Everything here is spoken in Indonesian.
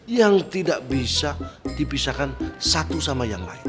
yang tidak bisa dipisahkan satu sama yang lain